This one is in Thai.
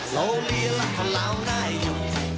โลเวียรักคนร้าวได้อยู่